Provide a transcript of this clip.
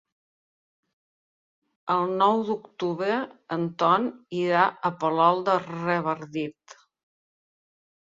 El nou d'octubre en Ton irà a Palol de Revardit.